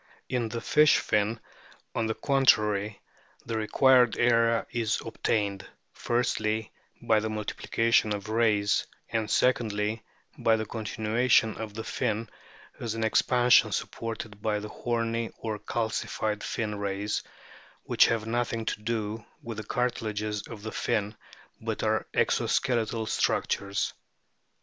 In the fish fin, on the contrary, the required area is obtained : firstly, by the multiplication of rays, and, secondly, by the continuation of the fin as an expansion supported by the horny or calcified fin rays, which have nothing to do with the cartilages of the fin, but are exoskeletal structures.